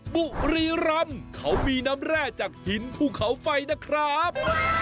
บุรีรำเขามีน้ำแร่จากหินภูเขาไฟนะครับ